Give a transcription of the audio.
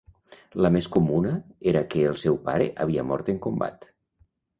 La més comuna era que el seu pare havia mort en combat.